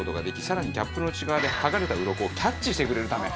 更にキャップの内側で剥がれたウロコをキャッチしてくれるため。